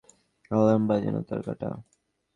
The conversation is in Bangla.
এলার্ম বাজানোর তার কাটা।